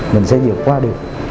mình sẽ vượt qua được